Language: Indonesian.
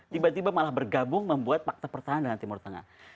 tiba tiba malah bergabung membuat fakta pertahanan dengan timur tengah